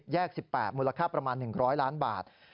๑๘มูลค่าประมาณ๑๐๐ล้านบาท